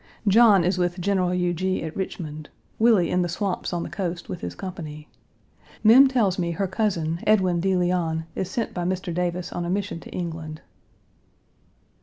John is with General Huger at Richmond; Willie in the swamps on the coast with his company. Mem tells me her cousin, Edwin de Leon, is sent by Mr. Davis on a mission to England.